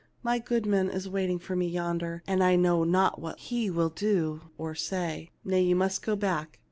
Mygoodman is waiting for me yonder, and I know not what he will do or say. Nay ; you must go back.